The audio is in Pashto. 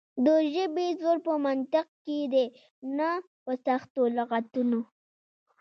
د ژبې زور په منطق کې دی نه په سختو لغتونو.